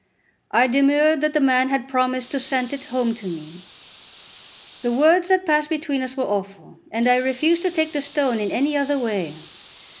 I demurred that the man had promised to sent it home to me. The words that passed between us were awful, and I refused to take the stone in any other way.